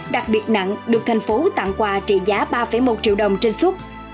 đặc biệt nặng được thành phố tặng quà trị giá ba một triệu đồng trên xuất